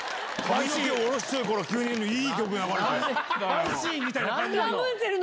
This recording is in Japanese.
ワンシーンみたいな感じ。